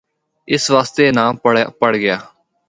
اس واسطے اے ناں پڑھ گیا۔